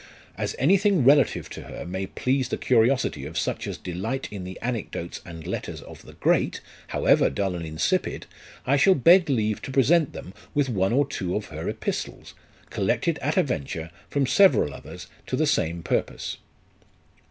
As anything relative to her may please the curiosity of such as delight in the anecdotes and letters of the great, however dull and insipid, I shall beg leave to present them with one or two of her epistles, collected at a venture from several others to the same purpose.